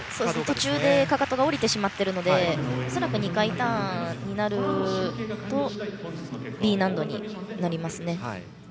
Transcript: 途中でかかとが下りてしまっているので恐らく２回ターンになるとＤ難度になりますね。